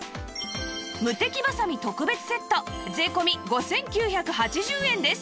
ムテキバサミ特別セット税込５９８０円です